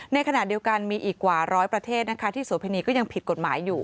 ในขณะเดียวกันมีอีกกว่าร้อยประเทศนะคะที่โสพินีก็ยังผิดกฎหมายอยู่